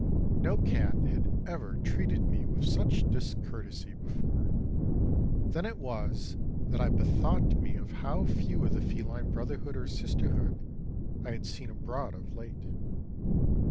No cat had ever treated me with such discourtesy before. Then it was that I bethought me of how few of the feline brotherhood or sisterhood I had seen abroad of late.